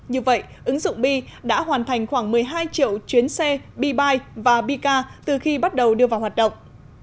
như vậy ứng dụng bi đã hoàn thành khoảng một mươi hai triệu chuyến xe bi bike và bi car từ khi bắt đầu đưa vào hoạt động